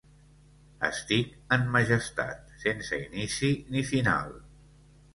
Estic en majestat, sense inici ni final.